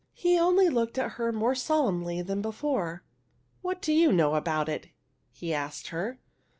He only looked at her more solemnly than before. What do you know about it?" he asked her.